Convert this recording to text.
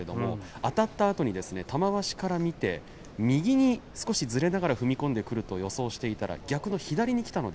あたったあとに玉鷲から見て右に少しずれながら踏み込んでくると予想していたら逆に左にきた。